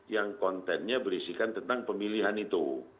yang kontennya berisikan tentang pemilihan itu